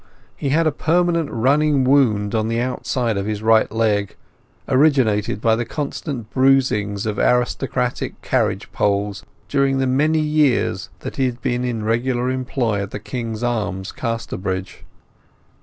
He had a permanent running wound on the outside of his right leg, originated by the constant bruisings of aristocratic carriage poles during the many years that he had been in regular employ at the King's Arms, Casterbridge.